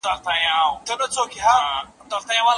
هیڅوک حق نه لري چي د بل چا وینه تویه کړي.